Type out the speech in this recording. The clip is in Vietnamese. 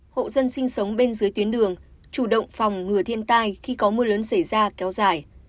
hộ dân sinh sống bên dưới tuyến đường chủ động phòng ngừa thiên tai khi có mưa lớn xảy ra kéo dài